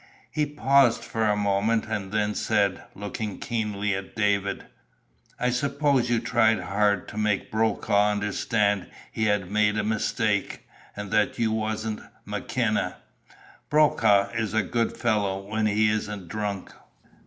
He paused for a moment and then said, looking keenly at David: "I suppose you tried hard to make Brokaw understand he had made a mistake, and that you wasn't McKenna? Brokaw is a good fellow when he isn't drunk."